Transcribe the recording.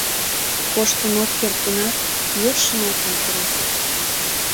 Коштын ок керт гынат, йӧршын ок ойгыро.